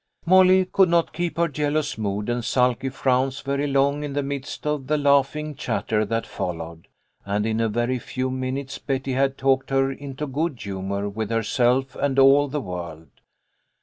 Molly could not keep her jealous mood and sulky frowns very long in the midst of the laughing chatter that followed, and in a very few minutes Betty had talked her into good humour with herself and all the world.